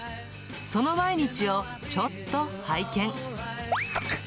その毎日をちょっと拝見。